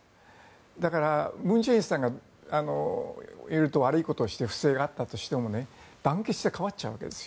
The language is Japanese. だから、文在寅さんが色々と悪いことをして不正があったとしても団結して変わっちゃうわけですよ。